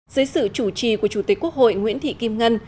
dưới sự chủ trì của chủ tịch quốc hội nguyễn thị kim ngân